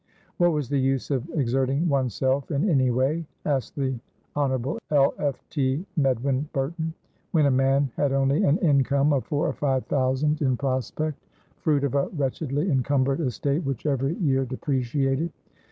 What was the use of exerting oneself in any wayasked the Hon. L. F. T. Medwin Burtonwhen a man had only an income of four or five thousand in prospect, fruit of a wretchedly encumbered estate which every year depreciated?